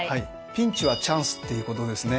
「ピンチはチャンス」っていうことですね。